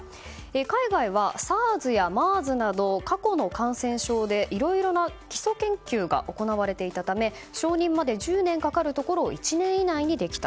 海外はＳＡＲＳやＭＥＲＳなど過去の感染症でいろいろな基礎研究が行われていたため承認まで１０年かかるところを１年以内にできた。